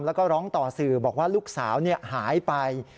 แล้วก็ร้องต่อสื่อบอกว่าลูกสาวหายไป